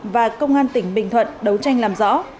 và công an tỉnh bình thuận đấu tranh làm rõ